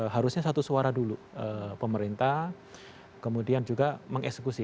harusnya satu suara dulu pemerintah kemudian juga mengeksekusi